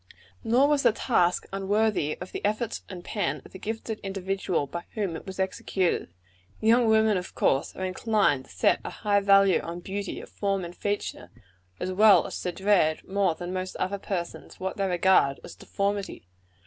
Nor was the task unworthy the efforts and pen of the gifted individual by whom it was executed. Young women, of course, are inclined to set a high value on beauty of form and feature, as well as to dread, more than most other persons, what they regard as deformity.